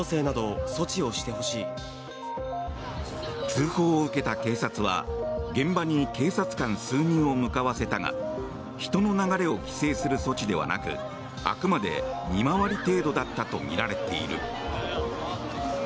通報を受けた警察は現場に警察官数人を向かわせたが人の流れを規制する措置ではなくあくまで見回り程度だったとみられている。